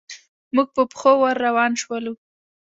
موږ په پښو ور روان شولو.